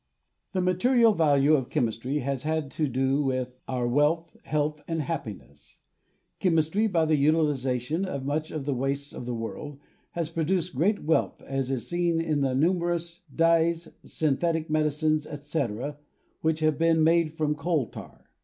The material value of chemistry has had to do with our wealth, health and happiness. Chemistry, by the utiliza tion of much of the wastes of the world, has produced great wealth, as is seen in the numerous dyes, synthetic medicines, etc., which have been made from coal tar.